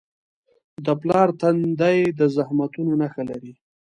د پلار تندی د زحمتونو نښه لري.